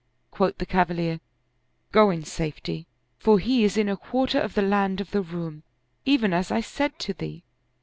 Quoth the cavalier, " Go in safety, for he is in a quarter of the land of the Roum, even as I said to thee."